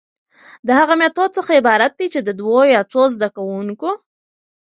د هغه ميتود څخه عبارت دي چي د دوو يا څو زده کوونکو،